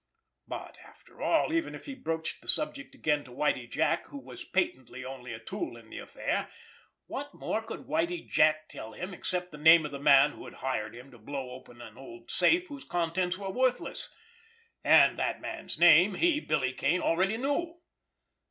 But, after all, even if he broached the subject again to Whitie Jack, who was patently only a tool in the affair, what more could Whitie Jack tell him, except the name of the man who had hired him to blow open an old safe whose contents were worthless—and that man's name he, Billy Kane, already knew.